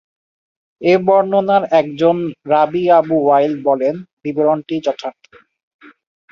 এ বর্ণনার একজন রাবী আবু ওয়াইল বলেন, বিবরণটি যথার্থ।